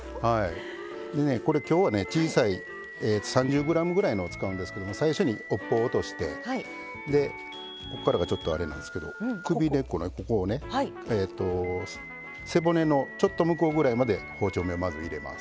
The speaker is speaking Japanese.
今日は小さい３０ｇぐらいのを使うんですけど最初に尾っぽを落としてここからがあれなんですけど首根っこの、背骨のちょっと向こうぐらいまで包丁目をまず入れます。